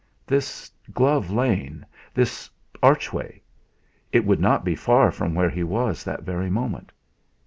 This Glove Lane this arch way? It would not be far from where he was that very moment.